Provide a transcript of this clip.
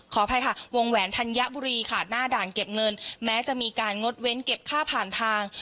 ขออภัยค่ะวงแหวนธัญบุรีค่ะหน้าด่านเก็บเงินแม้จะมีการงดเว้นเก็บค่าผ่านทาง